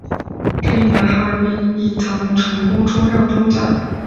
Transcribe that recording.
这一年哈尔滨毅腾成功冲上中甲。